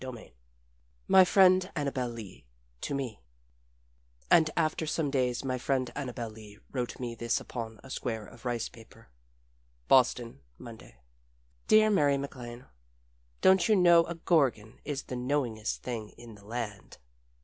XXIV MY FRIEND ANNABEL LEE TO ME And after some days my friend Annabel Lee wrote me this upon a square of rice paper: Boston, Monday. Dear Mary MacLane: Don't you know a gorgon is the knowingest thing in the land?